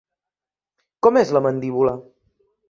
Com és la mandíbula?